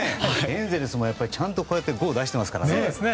エンゼルスもちゃんとこうやってゴーを出してますからね。